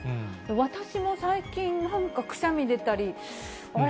私も最近、なんかくしゃみ出たり、あれ？